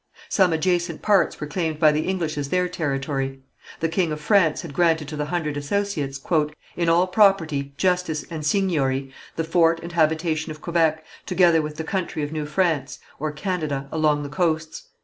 Some adjacent parts were claimed by the English as their territory. The king of France had granted to the Hundred Associates "in all property, justice and seigniory, the fort and habitation of Quebec, together with the country of New France, or Canada, along the coasts